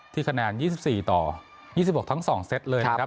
คะแนน๒๔ต่อ๒๖ทั้ง๒เซตเลยนะครับ